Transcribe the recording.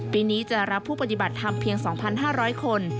ปีนี้จะรับผู้ปฏิบัติธรรมเพียง๒๕๐๐คน